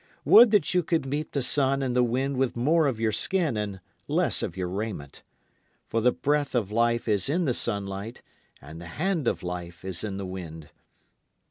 Would that you could meet the sun and the wind with more of your skin and less of your raiment, For the breath of life is in the sunlight and the hand of life is in the wind.